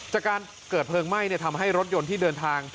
จากการเกิดเพลิงไหม้ทำให้รถยนต์ที่เดินทาง